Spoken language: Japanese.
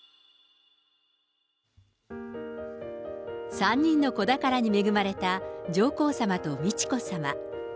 ３人の子宝に恵まれた上皇さまと美智子さま。